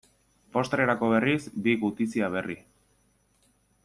Postrerako berriz, bi gutizia berri.